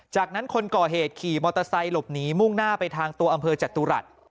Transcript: จากนั้นคนก่อเหตุขี่มอเตอร์ไซค์หลบหนีมุ่งหน้าไปทางตัวอำเภอจตุรัส